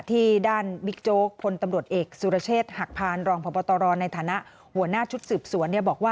ที่ด้านบิ๊กโจ๊กพลตำรวจเอกศุรเชษภัณฑ์รองพะตรในฐานะหัวหน้าชุดศึกสวร